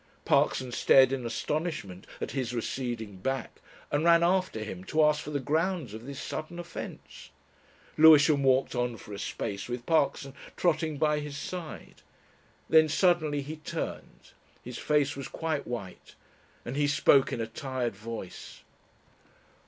Parkson stared in astonishment at his receding back and ran after him to ask for the grounds of this sudden offence. Lewisham walked on for a space with Parkson trotting by his side. Then suddenly he turned. His face was quite white and he spoke in a tired voice.